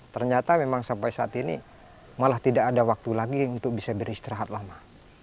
ternyata memang sampai saat ini malah tidak ada waktu lagi untuk bisa beristirahat lama